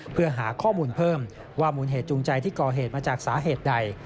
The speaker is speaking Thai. เพื่อหาข้อมูลเพิ่มว่ามูลเหตุจูงใจที่ก่อเหตุมาจากสาเหตุใด